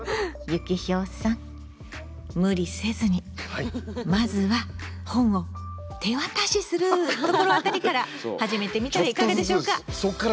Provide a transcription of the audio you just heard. ユキヒョウさん無理せずにまずは本を手渡しするところあたりから始めてみたらいかがでしょうか？